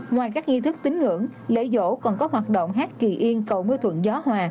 ngoài các nghi thức tính ngưỡng lễ dỗ còn có hoạt động hết kỳ yên cầu mưa thuận gió hòa